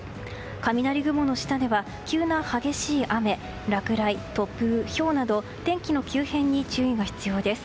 雷雲の下では、急な激しい雨落雷、突風、ひょうなど天気の急変に注意が必要です。